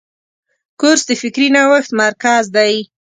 کورس د فکري نوښت مرکز دی.